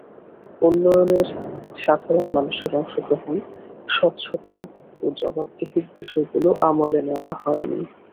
উন্নয়নে সাধারণ মানুষের অংশগ্রহণ, স্বচ্ছতা ও জবাবদিহির বিষয়গুলো আমলে নেওয়া হয়নি।